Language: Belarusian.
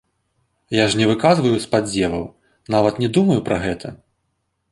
Я ж не выказваю спадзеваў, нават не думаю пра гэта.